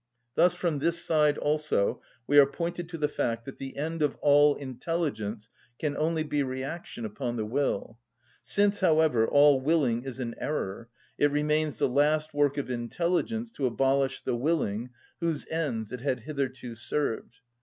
Thus from this side also we are pointed to the fact that the end of all intelligence can only be reaction upon the will; since, however, all willing is an error, it remains the last work of intelligence to abolish the willing, whose ends it had hitherto served.